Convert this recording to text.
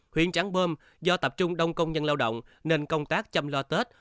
huyện trắng bơm do tập trung đông công nhân lao động nên công tác chăm lo tết